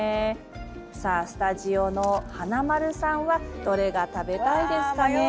さあ、スタジオの華丸さんはどれが食べたいですかね。